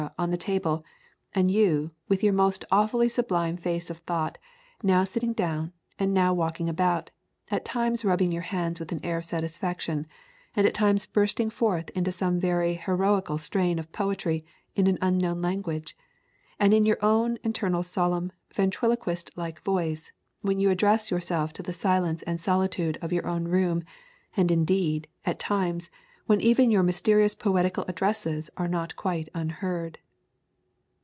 on the table, and you, with your most awfully sublime face of thought, now sitting down, and now walking about, at times rubbing your hands with an air of satisfaction, and at times bursting forth into some very heroical strain of poetry in an unknown language, and in your own internal solemn ventriloquist like voice, when you address yourself to the silence and solitude of your own room, and indeed, at times, even when your mysterious poetical addresses are not quite unheard."